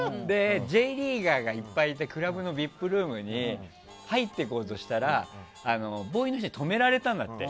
ＪリーガーがいっぱいいてクラブのＶＩＰルームに入っていこうとしたらボーイの人に止められたんだって。